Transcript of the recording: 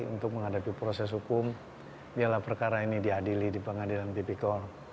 untuk menghadapi proses hukum biarlah perkara ini diadili di pengadilan tipikor